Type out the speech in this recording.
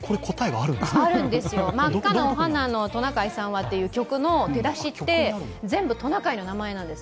あるんですよ、真っ赤のお鼻のトナカイさんはという歌の出だしって、全部トナカイの名前なんです。